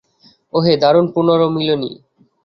ওহ, দারুণ পুণর্মিলনী।